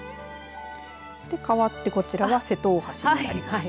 かわってこちらは瀬戸大橋になります。